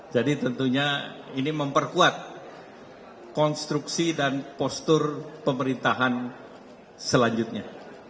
jadi tentunya ini memperkuat konstruksi dan postur pemerintahan selanjutnya